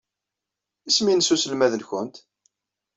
Isem-nnes uselmad-nwent?